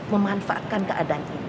memanfaatkan keadaan ini